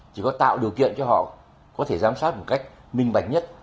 chỉ có tạo điều kiện cho họ có thể giám sát một cách minh bạch nhất